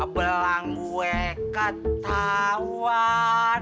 belang gue ketauan